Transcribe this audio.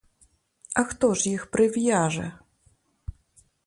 А хто ж їх прив'яже?